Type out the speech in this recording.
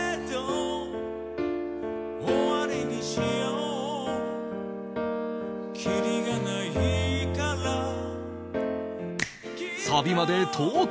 「終わりにしようきりがないから」サビまで到達